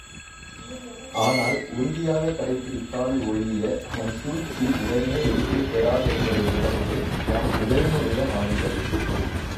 ஆனால் உறுதியாகக் கடைப்பிடித்தால் ஒழியத் தன் சூழ்ச்சி உடனே வெற்றி பெறாதென்பதை உணர்ந்து, யாம் உதயணனுடைய வாணிகர்.